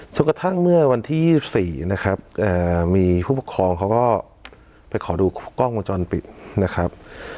กระทั่งเมื่อวันที่๒๔นะครับมีผู้ปกครองเขาก็ไปขอดูกล้องวงจรปิดนะครับ